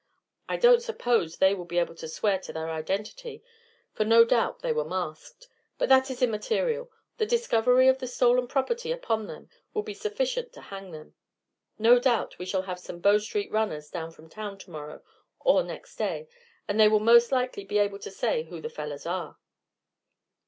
I don't suppose they will be able to swear to their identity, for no doubt they were masked. But that is immaterial; the discovery of the stolen property upon them will be sufficient to hang them. No doubt we shall have some Bow Streets runners down from town tomorrow or next day, and they will most likely be able to say who the fellows are."